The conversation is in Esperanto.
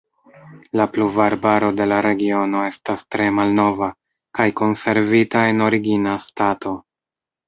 La pluvarbaro de la regiono estas tre malnova kaj konservita en origina stato.